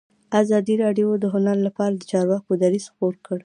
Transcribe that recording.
ازادي راډیو د هنر لپاره د چارواکو دریځ خپور کړی.